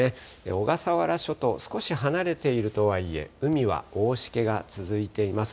小笠原諸島、少し離れているとはいえ、海は大しけが続いています。